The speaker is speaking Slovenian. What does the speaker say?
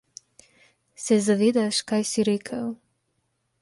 Se zavedaš kaj si rekel?